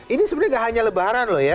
ini sebenarnya gak hanya lebaran loh ya